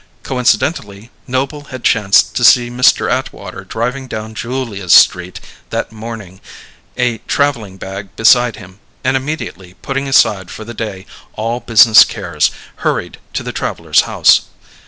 Coincidentally, Noble had chanced to see Mr. Atwater driving down Julia's Street that morning, a travelling bag beside him, and, immediately putting aside for the day all business cares, hurried to the traveller's house.